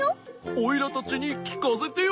オイラたちにきかせてよ。